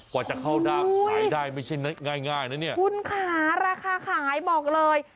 กว่าจะเข้าด้ามขายได้ไม่ใช่ง่ายง่ายนะเนี่ยคุณค่ะราคาขายบอกเลย